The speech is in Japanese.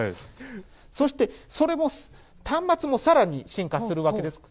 そして、それも端末もさらに進化するわけです。